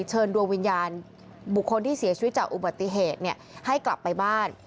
เชิญดวงวิญญาณบุคคลที่เสียชีวิตจากอุบัติเหตุให้กลับไปบ้าน